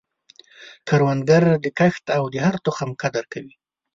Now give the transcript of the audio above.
کروندګر د کښت د هر تخم قدر کوي